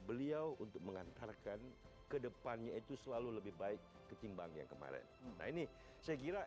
beliau untuk mengantarkan kedepannya itu selalu lebih baik ketimbang yang kemarin nah ini saya kira